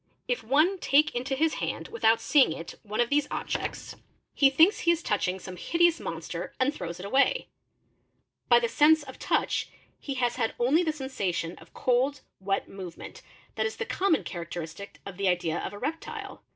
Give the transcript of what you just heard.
If one take into his hand without seeing it one of . these objects, he thinks he is touching some hideous monster and throws ~ PERCEPTION 71 j t away. By the sense of touch he has had only the sensation of cold, V vet, movement, that is the common characteristic of the idea of a reptile.